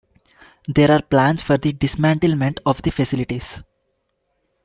There are plans for the dismantlement of the facilities.